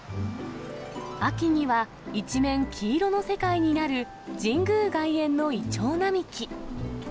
秋には、一面黄色の世界になる神宮外苑のいちょう並木。